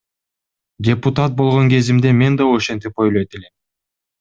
Депутат болгон кезимде мен да ошентип ойлойт элем.